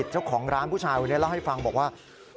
เจ้าของร้านผู้ชายคนนี้เล่าให้ฟังบอกว่า